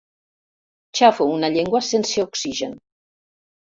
Xafo una llengua sense oxigen.